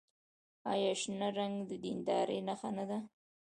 آیا شنه رنګ د دیندارۍ نښه نه ده؟